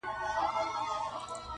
• د خپلو تبلیغاتو لپاره کاروي -